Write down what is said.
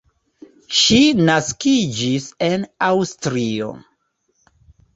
Ŝi naskiĝis en Aŭstrio.